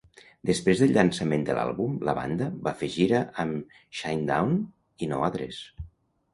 Després del llançament de l'àlbum, la banda va fer gira amb "Shinedown " i "No Address".